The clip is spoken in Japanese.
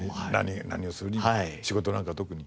何をするにも仕事なんか特に。